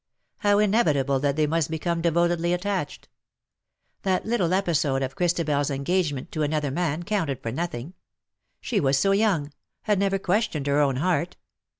How inevitable that they must become devotedly attached. That little episode of ChristabeFs engagement to another man counted for nothing. She was so young — had never questioned her own heart.